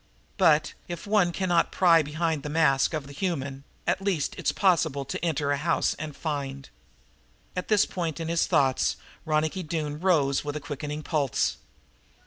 But, if one cannot pry behind the mask of the human, at least it is possible to enter a house and find At this point in his thoughts Ronicky Doone rose with a quickening pulse.